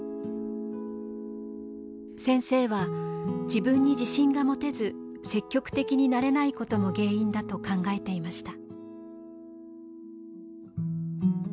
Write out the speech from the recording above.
先生は自分に自信が持てず積極的になれないことも原因だと考えていました。